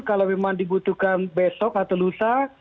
kalau memang dibutuhkan besok atau lusa